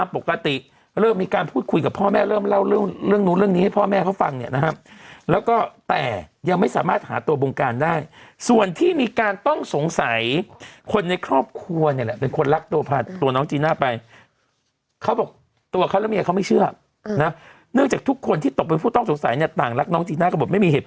ปกติเริ่มมีการพูดคุยกับพ่อแม่เริ่มเล่าเรื่องนู้นเรื่องนี้ให้พ่อแม่เขาฟังเนี่ยนะครับแล้วก็แต่ยังไม่สามารถหาตัวบงการได้ส่วนที่มีการต้องสงสัยคนในครอบครัวเนี่ยแหละเป็นคนรักตัวพาตัวน้องจีน่าไปเขาบอกตัวเขาและเมียเขาไม่เชื่อนะเนื่องจากทุกคนที่ตกเป็นผู้ต้องสงสัยเนี่ยต่างรักน้องจีน่าก็บอกไม่มีเหตุ